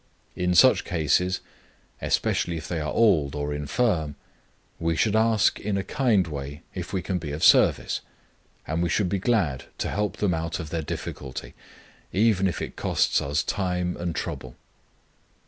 In such cases, especially if they are old or infirm, we should ask in a kind way if we can be of service; and we should be glad to help them out of their difficulty, even if it costs us time and trouble.